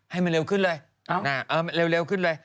ให้มันเร็วขึ้นเลยเร็วขึ้นเลย